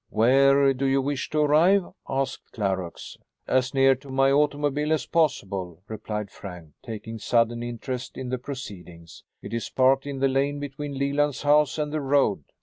"Where do you wish to arrive?" asked Clarux. "As near to my automobile as possible," replied Frank, taking sudden interest in the proceedings. "It is parked in the lane between Leland's house and the road."